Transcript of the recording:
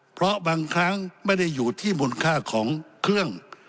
เพราะบางครั้งไม่ได้อยู่ที่มูลค่าของเครื่อง